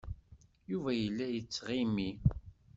Yuba yella yettɣimi.